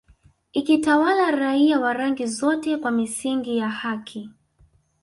ikitawala raia wa rangi zote kwa misingi ya haki